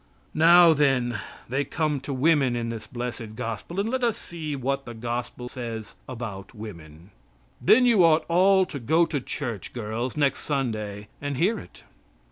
Now, then, they come to women in this blessed gospel, and let us see what the gospel says about women. Then you ought all to go to church, girls, next Sunday and hear it.